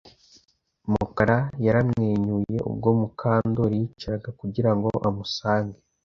Mukara yaramwenyuye ubwo Mukandoli yicaraga kugira ngo amusange